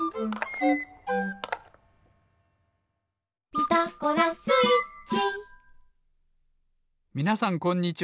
「ピタゴラスイッチ」みなさんこんにちは。